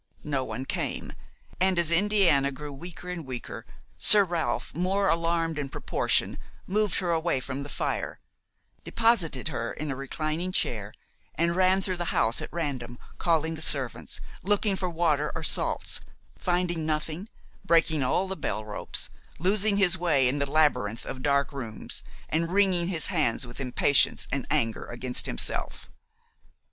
No one came, and as Indiana grew weaker and weaker, Sir Ralph, more alarmed in proportion, moved her away from the fire, deposited her in a reclining chair, and ran through the house at random, calling the servants, looking for water or salts, finding nothing, breaking all the bell ropes, losing his way in the labyrinth of dark rooms, and wringing his hands with impatience and anger against himself.